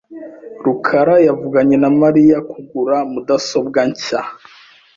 rukara yavuganye na Mariya kugura mudasobwa nshya .